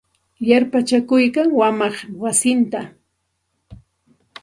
Yarpachakuykan wamaq wasinta.